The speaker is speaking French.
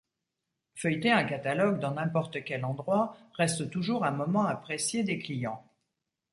Feuilleter un catalogue dans n'importe quel endroit reste toujours un moment apprécié des clients.